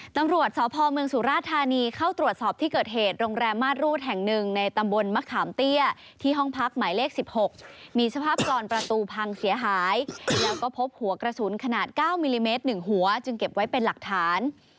ตำรวจสพเมืองสุราธานีเข้าตรวจสอบที่เกิดเหตุโรงแรมมาสรูดแห่งหนึ่งในตำบลมะขามเตี้ยที่ห้องพักหมายเลข๑๖มีสภาพกรอนประตูพังเสียหายแล้วก็พบหัวกระสุนขนาด๙มิลลิเมตร๑หัวจึงเก็บไว้เป็นหลักฐาน